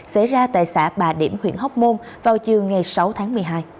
xảy ra tại xã bà điểm huyện hóc môn vào chiều ngày sáu tháng một mươi hai